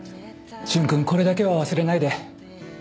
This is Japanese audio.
瞬君これだけは忘れないで。